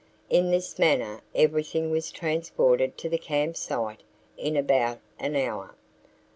In this manner everything was transported to the camp site in about an hour.